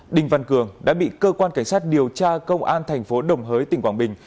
đinh văn cường đã bị cơ quan cảnh sát điều tra công an thành phố đồng hới tỉnh quảng bình